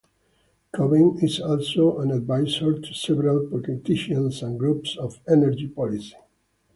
Coben is also an advisor to several politicians and groups on energy policy.